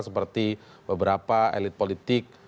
seperti beberapa elit politik